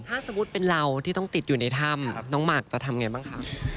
ถ้าสมมุติเป็นเราที่ต้องติดอยู่ในถ้ำน้องหมากจะทำไงบ้างคะ